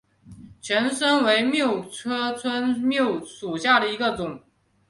拳参为蓼科春蓼属下的一个种。